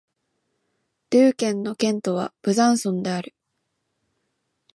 ドゥー県の県都はブザンソンである